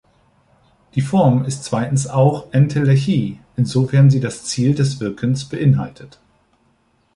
Die Form ist zweitens auch Entelechie, insofern sie das Ziel des Wirkens beinhaltet.